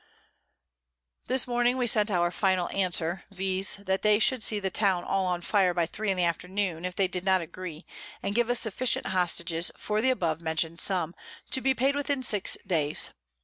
This Morning we sent our final Answer, viz. that they should see the Town all on fire by 3 in the Afternoon, if they did not agree, and give us sufficient Hostages for the above mention'd Sum, to be paid within 6 Days.